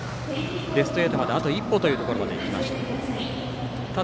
ベスト８まであと一歩というところまで行きました。